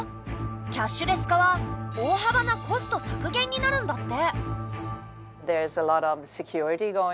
キャッシュレス化は大幅なコスト削減になるんだって。